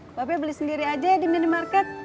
mbak apel beli sendiri aja di minimarket